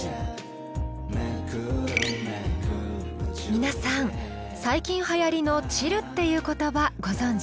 皆さん最近はやりの「チル」っていう言葉ご存じ？